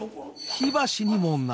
火箸にもなり。